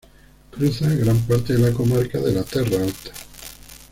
Cruza gran parte de la comarca de la Terra Alta.